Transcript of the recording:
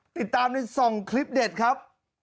ติดตามใน๒คลิปเด็ดครับ